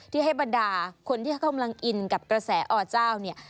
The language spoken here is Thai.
ที่ให้บรรดาคนที่เขากำลังอินกับกระแสอเจ้าเนี่ย